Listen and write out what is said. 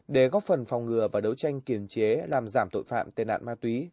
để góp phần phòng ngừa và đấu tranh kiềm chế làm giảm tội phạm tệ nạn ma túy